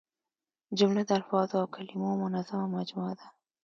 جمله د الفاظو او کلیمو منظمه مجموعه ده.